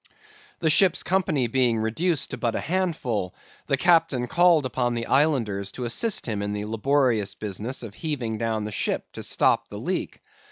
"The ship's company being reduced to but a handful, the captain called upon the Islanders to assist him in the laborious business of heaving down the ship to stop the leak.